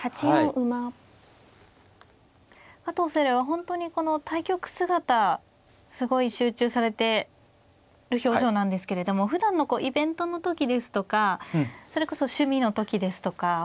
麗は本当にこの対局姿すごい集中されてる表情なんですけれどもふだんのイベントの時ですとかそれこそ趣味の時ですとか